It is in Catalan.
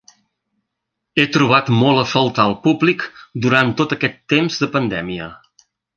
He trobat molt a faltar el públic durant tot aquest temps de pandèmia.